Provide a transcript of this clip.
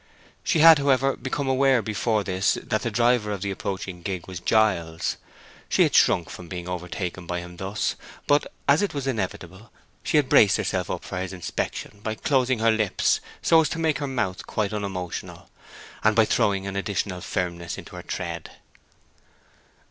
She had, however, become aware before this that the driver of the approaching gig was Giles. She had shrunk from being overtaken by him thus; but as it was inevitable, she had braced herself up for his inspection by closing her lips so as to make her mouth quite unemotional, and by throwing an additional firmness into her tread.